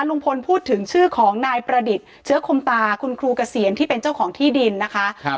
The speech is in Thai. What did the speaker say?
ลุงพลพูดถึงชื่อของนายประดิษฐ์เชื้อคมตาคุณครูเกษียณที่เป็นเจ้าของที่ดินนะคะ